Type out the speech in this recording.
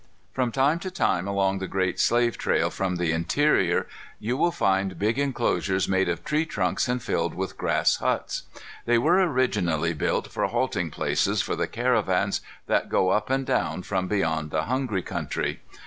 From time to time along the great slave trail from the interior, you will find big inclosures made of tree trunks and filled with grass huts. They were originally built for halting places for the caravans that go up and down from beyond the Hungry Country.